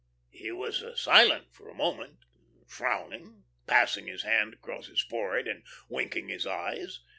He was silent for a moment, frowning, passing his hand across his forehead and winking his eyes.